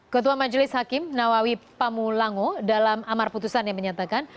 ketua majelis hakim nawawi pamulango dalam amar putusan yang menyatakan